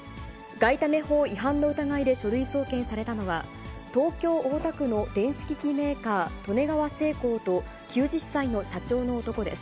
外為法違反の疑いで書類送検されたのは、東京・大田区の電子機器メーカー、利根川精工と、９０歳の社長の男です。